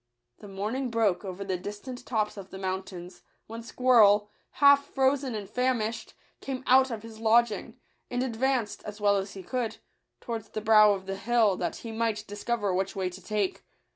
The morning broke over the distant tops of the mountains, when Squirrel, half frozen and famished, came out of his lodging, and advanced, as well as he could, towards the brow of the hill, that he might discover which way to take.